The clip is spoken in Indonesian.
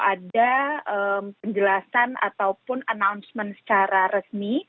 ada penjelasan ataupun announcement secara resmi